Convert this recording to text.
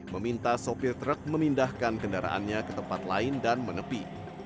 meminta sopir truk memindahkan kendaraannya ke tempat lain dan menepi